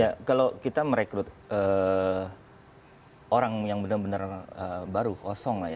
ya kalau kita merekrut orang yang benar benar baru kosong lah ya